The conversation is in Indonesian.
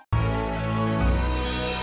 suami saya enggak